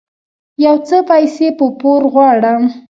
يو څه پيسې په پور غواړم